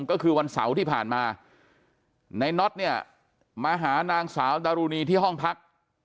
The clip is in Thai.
ก็คือวันเสาร์ที่ผ่านมาในน็อตเนี่ยมาหานางสาวดารุณีที่ห้องพัก